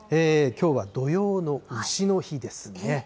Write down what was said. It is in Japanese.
きょうは土用のうしの日ですね。